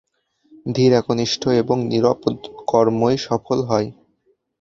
ধীর, একনিষ্ঠ এবং নীরব কর্মই সফল হয়।